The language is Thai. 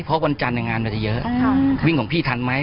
เพราะวันจันทร์งานมันจะเยอะวิ่งของพี่ทันไหม